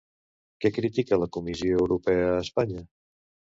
Què critica la Comissió Europea a Espanya?